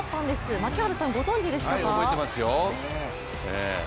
槙原さん、ご存じでしたか？